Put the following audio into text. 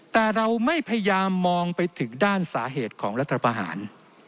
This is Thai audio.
แต่เราไม่พยายามมองไปถึงด้านสาเหตุของรัฐประหาร